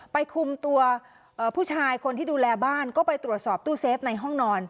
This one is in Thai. คุมตัวผู้ชายคนที่ดูแลบ้านก็ไปตรวจสอบตู้เซฟในห้องนอน